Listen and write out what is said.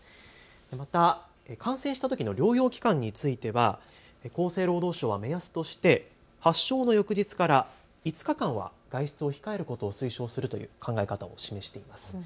また感染したときの療養期間については厚生労働省は目安として発症の翌日から５日間は外出を控えることを推奨するという考え方を示しています。